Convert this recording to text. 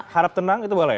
harap tenang itu boleh